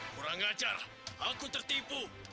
kurang ajar aku tertipu